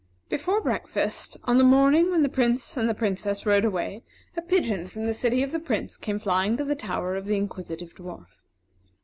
Before breakfast, on the morning when the Prince and Princess rode away, a pigeon from the city of the Prince came flying to the tower of the Inquisitive Dwarf.